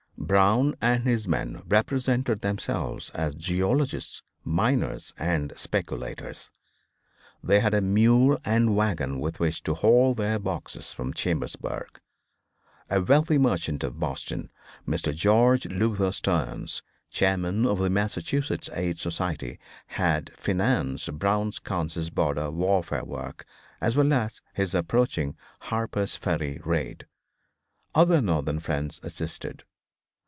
Brown and his men represented themselves as geologists, miners and speculators. They had a mule and wagon with which to haul their boxes from Chambersburg. A wealthy merchant of Boston, Mr. George Luther Stearns, Chairman of the Massachusetts Aid Society had financed Brown's Kansas border warfare work, as well as his approaching Harper's Ferry raid. Other Northern friends assisted.